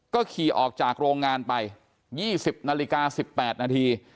ก็ขี่ออกจากโรงงานไป๒๐นาฬิกา๑๘นาที